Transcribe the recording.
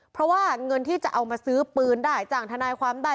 เพราะว่าเงินที่จะเอามาซื้อปืนได้จ้างทนายความได้